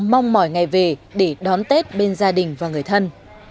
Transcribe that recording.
họ mong mọi ngày về để đón tết bên gia đình và người thân